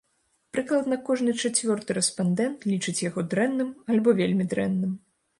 Прыкладна кожны чацвёрты рэспандэнт лічыць яго дрэнным або вельмі дрэнным.